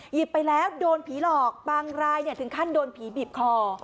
หยิบไปแล้วโดนผีหลอกบางรายถึงขั้นโดนผีบีบคอ